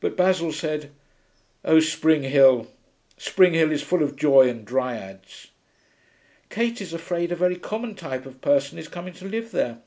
But Basil said, 'Oh, Spring Hill. Spring Hill is full of joy and dryads.' 'Kate is afraid a very common type of person is coming to live there.